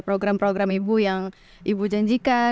program program ibu yang ibu janjikan